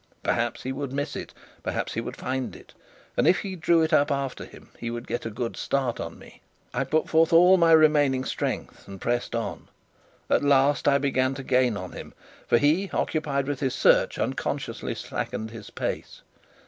Perhaps he would miss it perhaps he would find it; and if he drew it up after him, he would get a good start of me. I put forth all my remaining strength and pressed on. At last I began to gain on him; for he, occupied with his search, unconsciously slackened his pace.